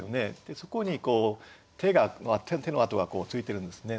そこに手の跡がついてるんですね。